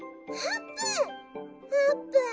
「あーぷん！